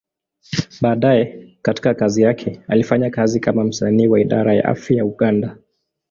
Baadaye katika kazi yake, alifanya kazi kama msanii wa Idara ya Afya ya Uganda.